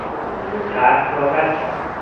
او طرح را رد کرد.